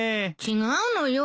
違うのよ。